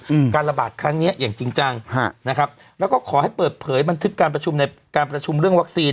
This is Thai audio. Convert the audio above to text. อืมการระบาดครั้งเนี้ยอย่างจริงจังฮะนะครับแล้วก็ขอให้เปิดเผยบันทึกการประชุมในการประชุมเรื่องวัคซีน